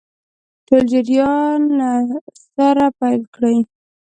ټول جریان له سره پیل کړي.